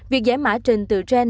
việc giải mã trình từ trên